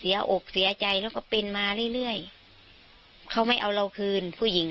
อกเสียใจแล้วก็เป็นมาเรื่อยเรื่อยเขาไม่เอาเราคืนผู้หญิง